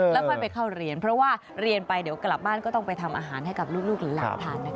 แล้วค่อยไปเข้าเรียนเพราะว่าเรียนไปเดี๋ยวกลับบ้านก็ต้องไปทำอาหารให้กับลูกหลานทานนะคะ